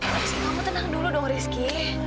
tapi kamu tenang dulu dong rizky